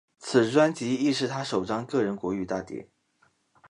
此专辑亦是他首张个人国语大碟。